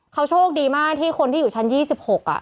เขาโชคดีมากที่คนที่อยู่ชั้น๒๖อ่ะ